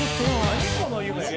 何この夢。